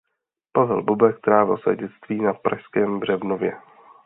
Pavel Bobek trávil své dětství na pražském Břevnově.